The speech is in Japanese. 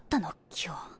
今日。